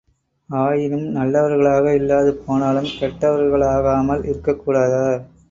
ஆயினும் நல்லவர்களாக இல்லாது போனாலும் கெட்டவர்களாகாமல் இருக்கக்கூடாதா?